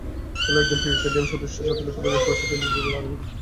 দলের একজন প্রেসিডিয়াম সদস্য ছাত্রলীগকেই দেশের ভবিষ্যৎ নেতৃত্ব বলে দাবি করেছেন।